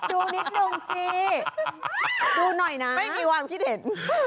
ดูนิดนึงสิดูหน่อยนะไม่มีความคิดเห็น